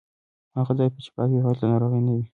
هغه ځای چې پاک وي هلته ناروغي نه وي.